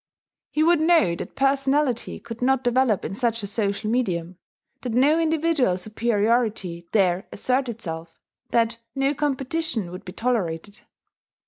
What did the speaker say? He would know that personality could not develop in such a social medium, that no individual superiority dare assert itself, that no competition would be tolerated.